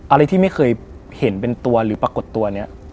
อะไรที่ไม่เคยเห็นเป็นตัวหรือปรากฏตัวนี้